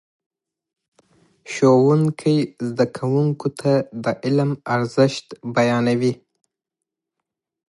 ښوونکي زده کوونکو ته د علم ارزښت بیانوي.